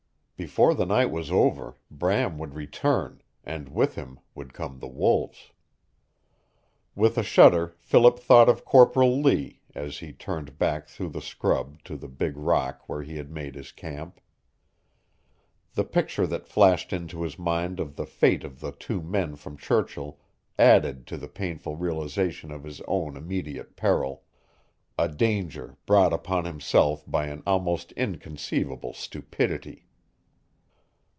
Before the night was over Bram would return, and with him would come the wolves. With a shudder Philip thought of Corporal Lee as he turned back through the scrub to the big rock where he had made his camp. The picture that flashed into his mind of the fate of the two men from Churchill added to the painful realization of his own immediate peril a danger brought upon himself by an almost inconceivable stupidity.